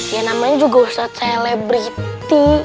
ya namanya juga ustadz selebriti